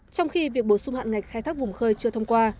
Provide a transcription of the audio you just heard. trong khi việc bổ sung hạn ngạch khai thác vùng khơi chưa thông qua